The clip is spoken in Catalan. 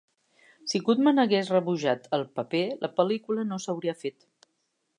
Si Goodman hagués rebutjat el paper, la pel·lícula no s'hauria fet.